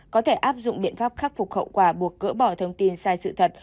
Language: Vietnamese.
có thể áp dụng biện pháp khắc phục khẩu quả buộc cỡ bỏ thông tin sai sự thật